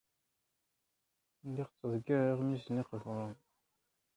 Lliɣ ttḍeggireɣ iɣmisen iqburen.